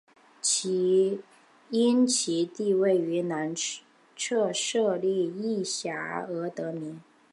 因其地位于南侧设立隘寮而得名。